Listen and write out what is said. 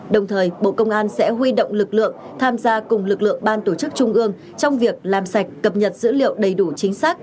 đồng thời bộ công an sẽ huy động lực lượng tham gia cùng lực lượng ban tổ chức trung ương trong việc làm sạch cập nhật dữ liệu đầy đủ chính xác